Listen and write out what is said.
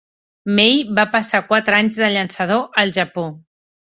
May va passar quatre anys de llançador al Japó.